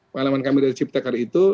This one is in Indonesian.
pengalaman kami dari cipta kar itu